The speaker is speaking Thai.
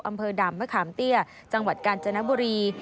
อำเภอด่านมะขามเตี้ยจังหวัดกาญจนบุรี